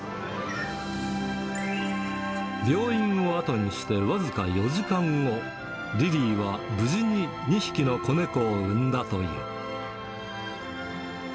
病院を後にして僅か４時間後、リリーは無事に２匹の子猫を産んだという。